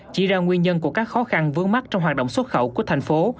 chỉ ra nguyên nhân của các khó khăn vướng mắt trong hoạt động xuất khẩu của thành phố